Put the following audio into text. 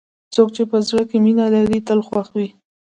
څوک چې په زړه کې مینه لري، تل خوښ وي.